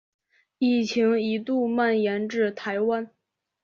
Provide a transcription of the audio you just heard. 疫情一度蔓延至台湾。